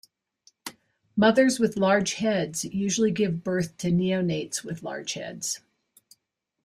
Mothers with large heads usually give birth to neonates with large heads.